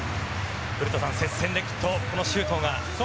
古田さん、接戦になるとこの周東が。